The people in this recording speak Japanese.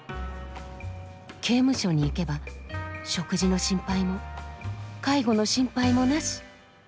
刑務所に行けば食事の心配も介護の心配もなし！